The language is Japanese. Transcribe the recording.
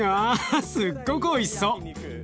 すっごくおいしそう！